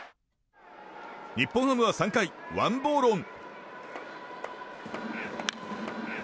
日本ハムは３回ワン・ボーロン。